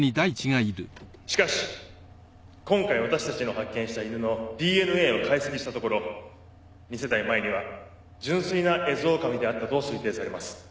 しかし今回私たちの発見した犬のＤＮＡを解析したところ二世代前には純粋なエゾオオカミであったと推定されます。